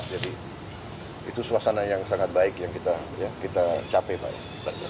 jadi itu suasana yang sangat baik yang kita capek pak